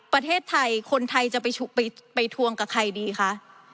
ประเทศไทยคนไทยจะไปทวงกับใครดีคะ